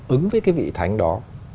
ứng với cái vị thánh đó